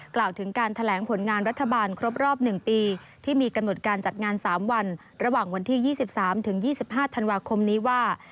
กล่าวถึงการแถลงผลงานรัฐบาลครบรอบหนึ่งปีที่มีกำหนดการจัดงานสามวันระหว่างวันที่ยี่สิบสามถึงยี่สิบห้าทันวาคมนี้ว่า